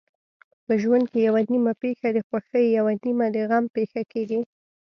په ژوند کې یوه نیمه پېښه د خوښۍ یوه نیمه د غم پېښه کېږي.